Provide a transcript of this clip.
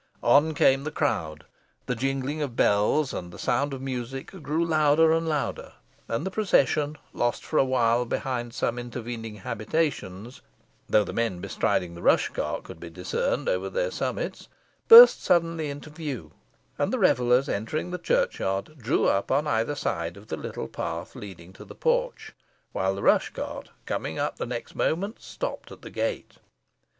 On came the crowd. The jingling of bells, and the sound of music grew louder and louder, and the procession, lost for awhile behind some intervening habitations, though the men bestriding the rush cart could be discerned over their summits, burst suddenly into view; and the revellers entering the churchyard, drew up on either side of the little path leading to the porch, while the rush cart coming up the next moment, stopped at the gate.